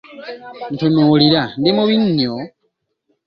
Ntunulira, ndi mubi nnyo?